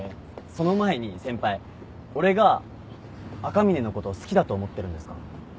その前に先輩俺が赤嶺のこと好きだと思ってるんですか？